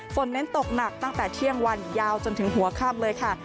เน้นตกหนักตั้งแต่เที่ยงวันยาวจนถึงหัวค่ำเลยค่ะ